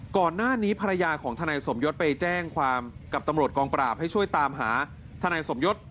ก่อนหน้านี้ภรรยาของทนายสมยศไปแจ้งความกับตำรวจกองปราบให้ช่วยตามหาทนายสมยศ